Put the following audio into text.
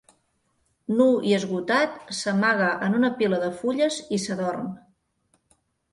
Nu i esgotat, s'amaga en una pila de fulles i s'adorm.